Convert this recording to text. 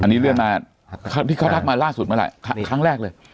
อันนี้เลื่อนมาที่เขาทักมาล่าสุดเมื่อไหร่ครั้งแรกเลย